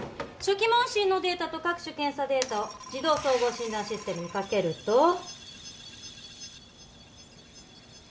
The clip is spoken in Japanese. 初期問診のデータと各種検査データを自動総合診断システムにかけると。